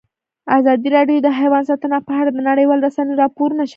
ازادي راډیو د حیوان ساتنه په اړه د نړیوالو رسنیو راپورونه شریک کړي.